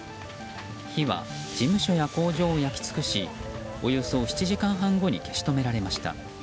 火は事務所や工場を焼き尽くしおよそ７時間半後に消し止められました。